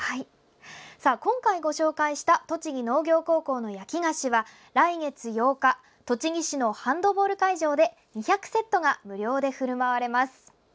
今回ご紹介した栃木農業高校の焼き菓子は来月８日栃木市のハンドボール会場で２００セットが無料でふるまわれます。